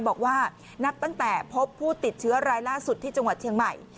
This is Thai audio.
บอกว่านับตั้งแต่พบผู้ติดเชื้อรายล่าสุดที่จังหวัดเชียงใหม่